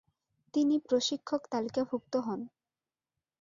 তিনি প্রশিক্ষক তালিকাভুক্ত হন।